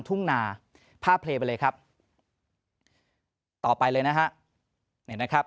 ต่อไปเลยนะครับ